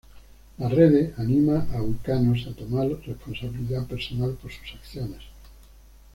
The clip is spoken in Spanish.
La Rede anima a los wiccanos a tomar responsabilidad personal por sus acciones.